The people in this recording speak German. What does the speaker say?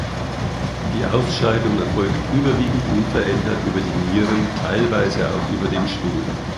Die Ausscheidung erfolgt überwiegend unverändert über die Nieren, teilweise auch über den Stuhl.